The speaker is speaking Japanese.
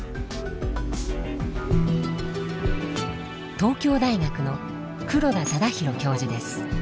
東京大学の黒田忠広教授です。